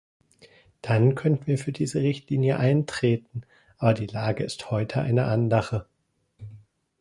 Dann könnten wir für diese Richtlinie eintreten, aber die Lage ist heute eine andere.